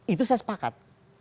itu saya sepakat